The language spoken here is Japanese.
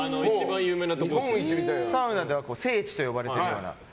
サウナでは聖地といわれているような。